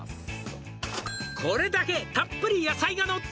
「これだけたっぷり野菜がのって」